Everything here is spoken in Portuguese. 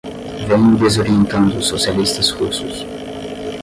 vêm desorientando os socialistas russos